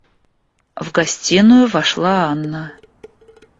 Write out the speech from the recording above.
В гостиную вошла Анна.